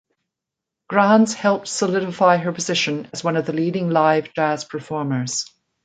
Granz helped solidify her position as one of the leading live jazz performers.